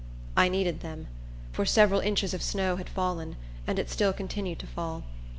I needed them; for several inches of snow had fallen, and it still continued to fall.